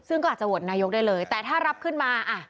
ซึ่งก็อาจจะโหวตนายกได้เลยแต่ถ้ารับขึ้นมา